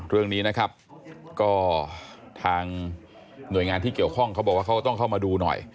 เรื่องนี้นะครับก็ทางหน่วยงานที่เกี่ยวข้องเขาบอกว่าเขาต้องเข้ามาดูหน่อย